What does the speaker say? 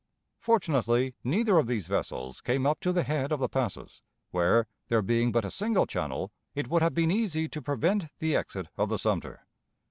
Fortunately, neither of these vessels came up to the head of the passes, where, there being but a single channel, it would have been easy to prevent the exit of the Sumter.